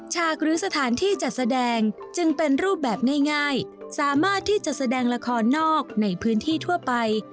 ฉากหรือสถานที่จัดแสดงจึงเป็นรูปแบบง่ายสามารถที่จะแสดงละครนอกในพื้นที่ทั่วไป